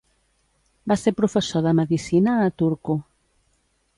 Va ser professor de medicina a Turku.